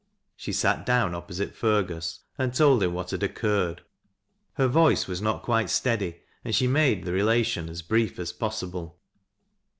She sat down opposite Fergus, and told him what had occurred. Her voice was not quite steady, and she made the relation as bi'ief as possible.